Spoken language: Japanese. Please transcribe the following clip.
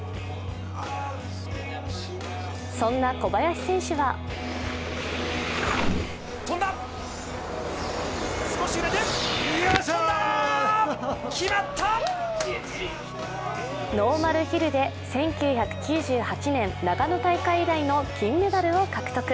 そんな小林選手はノーマルヒルで１９９８年、長野大会以来の金メダルを獲得。